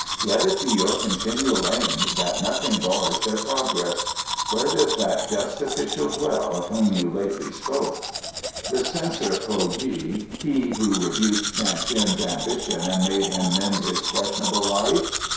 "Let it be your continual aim that nothing bars their progress. Where does that just official dwell of whom you lately spoke?" "The Censor K'o yih, he who rebuked Shan Tien's ambitions and made him mend his questionable life?